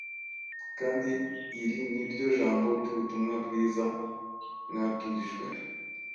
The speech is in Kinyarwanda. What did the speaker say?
kandi iri ni ryo jambo ry’ubutumwa bwiza mwabwirijwe.